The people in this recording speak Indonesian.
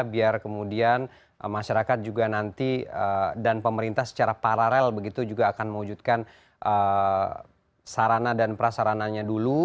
biar kemudian masyarakat juga nanti dan pemerintah secara paralel begitu juga akan mewujudkan sarana dan prasarananya dulu